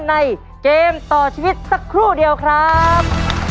ในเกมต่อชีวิตสักครู่เดียวครับ